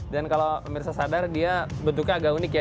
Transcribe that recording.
dan kalau pemirsa sadar dia bentuknya agak unik ya